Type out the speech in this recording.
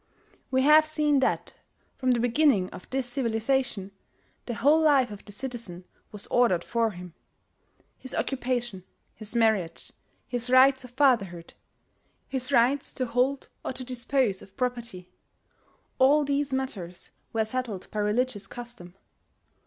We have seen that, from the beginning of this civilization, the whole life of the citizen was ordered for him: his occupation, his marriage, his rights of fatherhood, his rights to hold or to dispose of property, all these matters were settled by religious custom.